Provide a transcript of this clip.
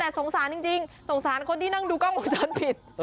แต่สงสารจริงสงสารคนที่นั่งดูกล้องวงจรปิด